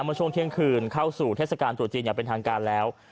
เมื่อช่วงเที่ยงคืนเข้าสู่เทศกาลตรุษจีนอย่างเป็นทางการแล้ว